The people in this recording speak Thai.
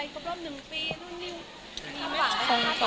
ชะ